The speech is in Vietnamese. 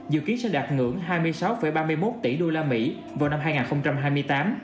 dự kiến sẽ đạt ngưỡng hai mươi sáu ba mươi một tỷ usd vào năm hai nghìn hai mươi tám